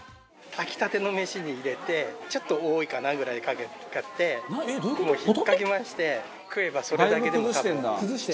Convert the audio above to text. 炊きたての飯に入れてちょっと多いかなぐらいかけてひっかき回して食えばそれだけでも食べれます。